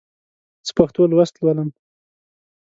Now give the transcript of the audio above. زه پښتو لوست لولم.